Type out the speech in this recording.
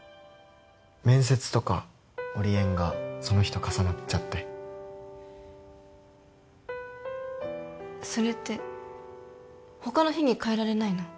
面接とかオリエンがその日と重なっちゃってそれって他の日に替えられないの？